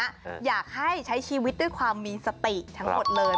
คุณผู้ชมแบบนี้อยากให้ใช้ชีวิตด้วยความมีสติทั้งหมดเลย